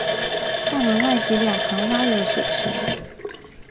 大门外及两旁挖有水池。